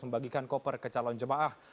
membagikan koper ke calon jemaah